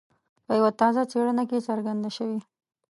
په یوه تازه څېړنه کې څرګنده شوي.